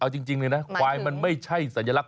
เอาจริงเลยนะควายมันไม่ใช่สัญลักษ